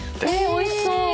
おいしそう。